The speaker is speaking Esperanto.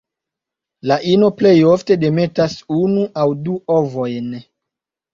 La ino plej ofte demetas unu aŭ du ovojn.